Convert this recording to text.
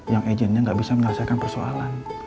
yang agentnya nggak bisa menyelesaikan persoalan